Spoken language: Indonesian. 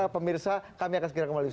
pemirsa kami akan segera kembali